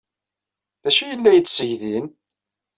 D acu ay yella yetteg din?